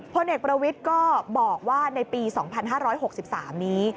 พลเอกประวิทย์ก็บอกว่าในปี๒๕๖๓นี้